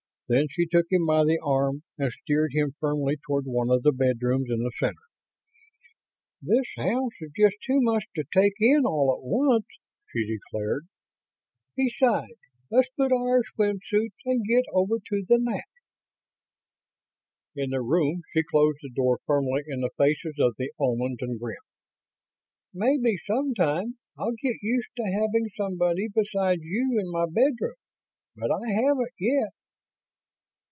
Then she took him by the arm and steered him firmly toward one of the bedrooms in the center. "This house is just too much to take in all at once," she declared. "Besides, let's put on our swimsuits and get over to the Nat." In the room, she closed the door firmly in the faces of the Omans and grinned. "Maybe, sometime, I'll get used to having somebody besides you in my bedroom, but I haven't, yet....